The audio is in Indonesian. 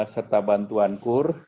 serta bantuan kur